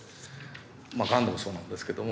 まあがんでもそうなんですけども。